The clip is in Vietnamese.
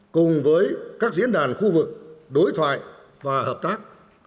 cùng với các diễn đàn khu vực đối thoại và hợp tác